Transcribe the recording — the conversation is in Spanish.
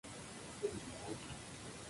Nunca llegó a la siguiente ronda.